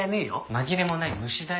紛れもない虫だよ。